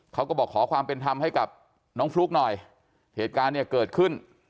เขาก็บอกขอความเป็นธรรมให้กับน้องฟลุ๊กหน่อยเหตุการณ์เนี่ยเกิดขึ้น